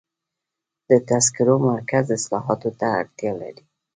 د تذکرو مرکز اصلاحاتو ته اړتیا لري.